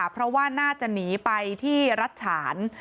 เพราะว่าน่าจะหนีไปที่รัฐฉาน